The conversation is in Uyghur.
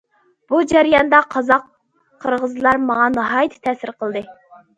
بۇ جەرياندا قازاق، قىرغىزلار ماڭا ناھايىتى تەسىر قىلدى.